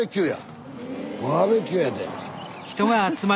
バーベキューやで。